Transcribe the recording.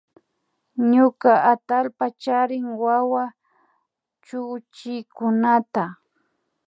Ñuka atallpa charin wawa chuchikunata